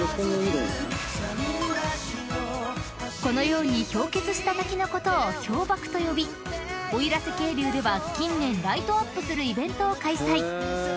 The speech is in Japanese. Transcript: ［このように氷結した滝のことを氷瀑と呼び奥入瀬渓流では近年ライトアップするイベントを開催］